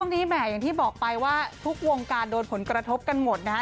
ช่องนี้แม่ที่บอกไปว่าทุกวงการโดนผลกระทบกันหมดนะฮะ